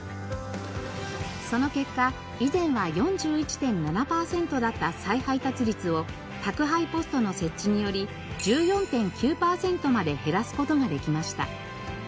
その結果以前は４１．７パーセントだった再配達率を宅配ポストの設置により１４．９パーセントまで減らす事ができました。